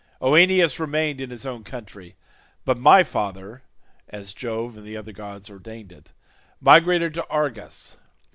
Oeneus remained in his own country, but my father (as Jove and the other gods ordained it) migrated to Argos.